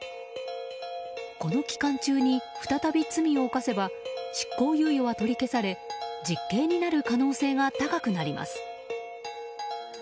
この期間中に、再び罪を犯せば執行猶予は取り消され実刑になる可能性が高くなります。